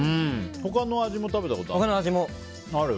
他の味も食べたことあるの？